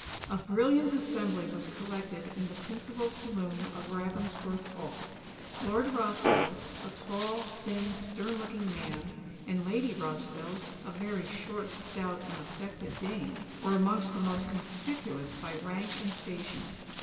A brilliant assembly was collected in the principal saloon of Ravensworth Hall. Lord Rossville,—a tall, thin, stern looking man,—and Lady Rossville,—a very short, stout, and affected dame,—were amongst the most conspicuous by rank and station.